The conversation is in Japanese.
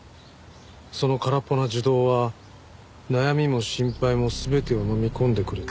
「その空っぽな樹洞は悩みも心配も全てをのみ込んでくれた」